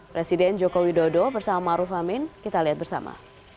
presiden joko widodo bersama maruf amin kita lihat bersama